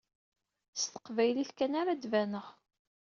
S teqbaylit kan ara ad baneɣ.